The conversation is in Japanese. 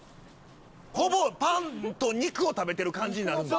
ほぼパンと肉を食べてる感じになるんだ。